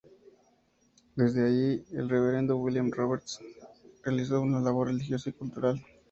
Desde allí, el Reverendo William Roberts realizó una labor religiosa y cultural.